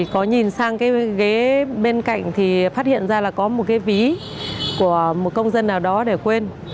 có nhìn sang cái ghế bên cạnh thì phát hiện ra là có một cái ví của một công dân nào đó để quên